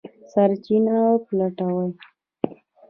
سرچینه وپلټو.